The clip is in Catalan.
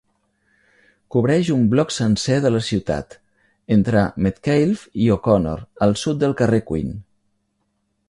Cobreix un bloc sencer de la ciutat entre Metcalfe i O'Connor al sud del carrer Queen.